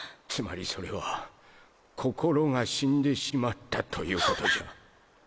つまりそれは心が死んでしまったということじゃ。